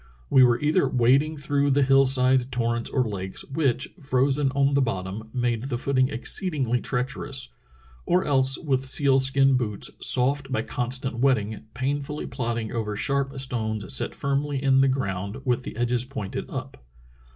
We were either wading through the hill side torrents or lakes, which, frozen on the bottom, made the footing exceedingly treacher ous, or else with seal skin boots, soft by constant wet ting, painfully plodding over sharp stones set firmly in the ground with the edges pointed up.